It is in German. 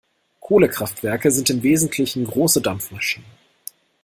Kohlekraftwerke sind im Wesentlichen große Dampfmaschinen.